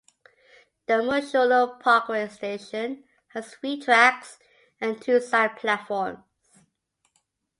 The Mosholu Parkway station has three tracks and two side platforms.